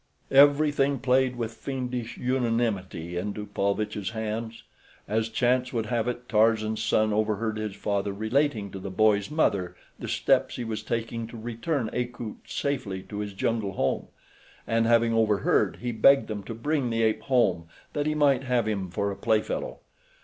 Everything played with fiendish unanimity into Paulvitch's hands. As chance would have it, Tarzan's son overheard his father relating to the boy's mother the steps he was taking to return Akut safely to his jungle home, and having overheard he begged them to bring the ape home that he might have him for a play fellow.